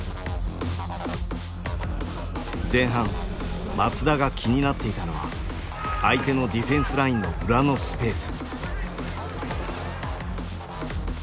前半松田が気になっていたのは相手のディフェンスラインの裏のスペース。